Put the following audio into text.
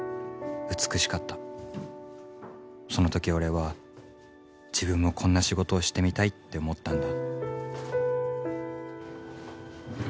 その時俺は自分もこんな仕事をしてみたいって思ったんだ。